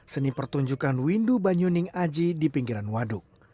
seni pertunjukan windu banyuning aji di pinggiran waduk